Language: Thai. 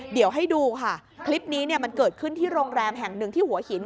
เดี๋ยวให้ดูค่ะคลิปนี้เนี่ยมันเกิดขึ้นที่โรงแรมแห่งหนึ่งที่หัวหิน